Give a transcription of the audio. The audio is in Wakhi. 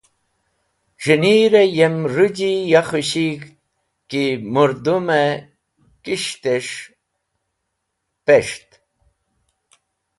C̃hinir-e yem rũji ya khũshig̃h ki mũrdũm-e kis̃htisht pes̃hte.